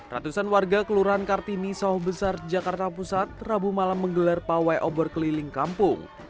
ratusan warga kelurahan kartini sawah besar jakarta pusat rabu malam menggelar pawai obor keliling kampung